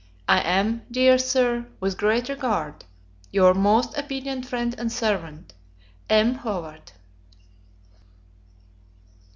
I am, dear Sir, with great regard, Your most obedient friend and servant, M. HOWARD.